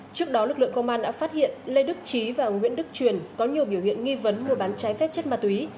trước đó lực lượng công an đã phát hiện lê đức trí và nguyễn đức truyền có nhiều biểu hiện nghi vấn mua bán trái phép chất ma túy